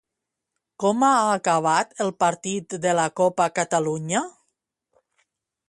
Com ha acabat el partit de la copa Catalunya?